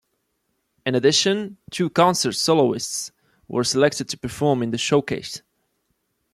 In addition, two concert soloists were selected to perform in the showcase.